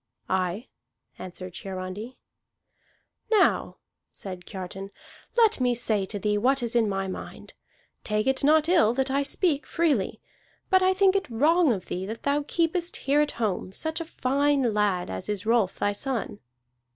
"Aye," answered Hiarandi. "Now," said Kiartan, "let me say to thee what is in my mind. Take it not ill that I speak freely. But I think it wrong of thee that thou keepest here at home such a fine lad as is Rolf thy son."